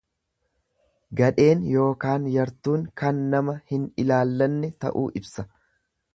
Gadheen ykn yartuun kan nama hin ilaallanne ta'uu ibsa.